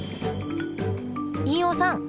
飯尾さん